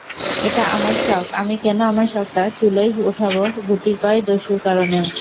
এটা আমার শখ, আমি কেন আমার শখটা চুলোয় ওঠাব গুটিকয় দস্যুর কারণে।